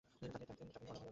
তাকে নিয়ে আমার অনেক স্বপ্ন।